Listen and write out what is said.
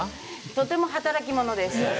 とても働き者です。